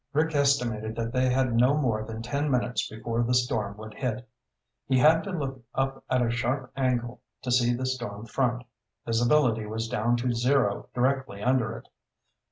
Rick estimated that they had no more than ten minutes before the storm would hit. He had to look up at a sharp angle to see the storm front. Visibility was down to zero directly under it.